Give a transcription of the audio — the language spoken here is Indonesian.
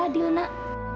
tante adil nak